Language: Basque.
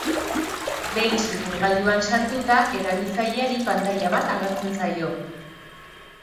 Behin simulagailuan sartuta, erabiltzaileari pantaila bat agertzen zaio.